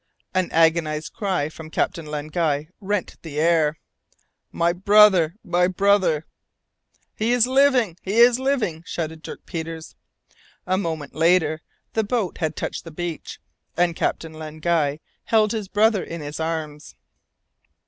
An agonized cry from Captain Len Guy rent the air! "My brother my brother!" "He is living! He is living!" shouted Dirk Peters. A moment later, the boat had touched the beach, and Captain Len Guy held his brother in his arms.